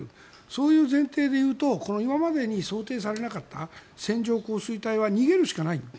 そういう前提でいうと今までに想定されなかった線状降水帯は逃げるしかない。